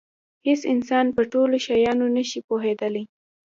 هېڅ انسان په ټولو شیانو نه شي پوهېدلی.